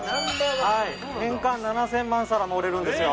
はい年間７，０００万皿も売れるんですよ。